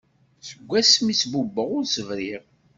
Seg ass mi i tt-bubbeɣ ur s-briɣ.